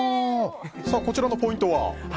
こちらのポイントは？